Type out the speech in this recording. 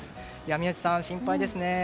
宮司さん、心配ですね。